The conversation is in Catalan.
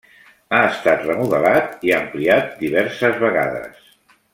Ha estat remodelat i ampliat diverses vegades.